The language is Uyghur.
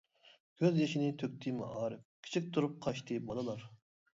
كۆز يېشىنى تۆكتى مائارىپ، كىچىك تۇرۇپ قاچتى بالىلار.